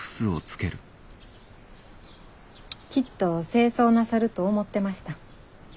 きっと正装なさると思ってました。